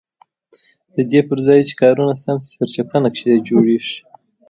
ددې پرځای چې کارونه سم شي سرچپه نقشې جوړېږي.